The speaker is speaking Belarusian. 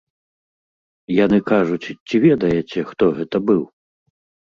Яны кажуць, ці ведаеце, хто гэта быў?